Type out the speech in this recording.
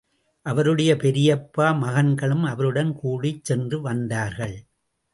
அவருடைய பெரியப்பா மகன்களும் அவருடன் கூடிச் சென்று வந்தார்கள்.